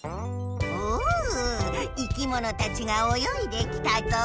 お生きものたちがおよいできたぞ。